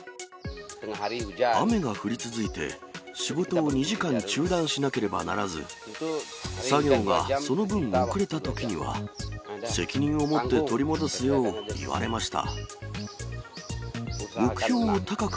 雨が降り続いて、仕事を２時間中断しなければならず、作業がその分遅れたときには、責任を持って取り戻すよう言われました。